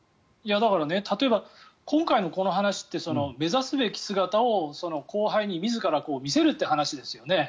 だから、例えば今回のこの話って目指すべき姿を、後輩に自ら見せるっていう話ですよね。